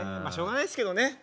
まあしょうがないですけどね。